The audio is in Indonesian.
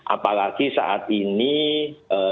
apalagi saat ini subjek